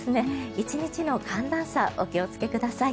１日の寒暖差お気をつけください。